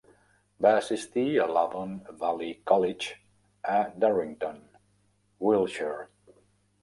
Va assistir a l'Avon Valley College a Durrington, Wiltshire.